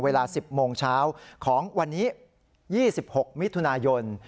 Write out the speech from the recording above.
เวลา๑๐โมงเช้าของวันนี้๒๖มิถุนายน